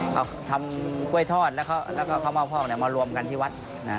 เขาทำกล้วยทอดแล้วก็เขามาเอาพอกมารวมกันที่วัด